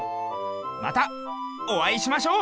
またおあいしましょう！